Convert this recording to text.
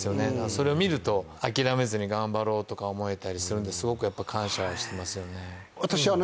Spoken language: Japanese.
それを見るととか思えたりするんですごくやっぱ感謝してますよね